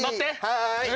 はい！